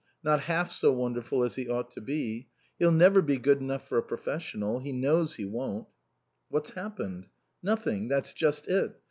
Not half so wonderful as he ought to be. He'll never be good enough for a professional. He knows he won't." "What's happened?" "Nothing. That's just it.